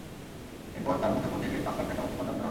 এরপর তাঁর মুঠোফোন থেকে পাঁচ লাখ টাকা মুক্তিপণ দাবি করা হয়।